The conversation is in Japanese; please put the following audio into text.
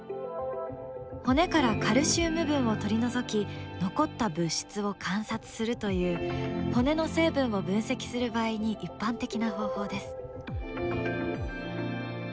骨からカルシウム分を取り除き残った物質を観察するという骨の成分を分析する場合に一般的な方法です。